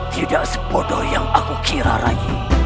tidak sebodoh yang aku kira rai